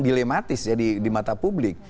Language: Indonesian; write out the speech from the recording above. dilematis di mata publik